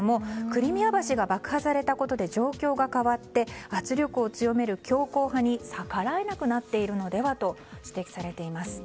クリミア橋が爆破されたことで状況が変わって圧力を強める強硬派に逆らえなくなっているのではと指摘されています。